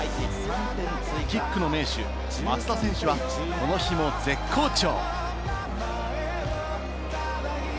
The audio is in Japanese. キックの名手・松田選手は、この日も絶好調。